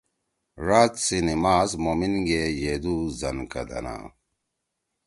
ڙاد سی نماز مومیِن گے ییدُو زنکدنا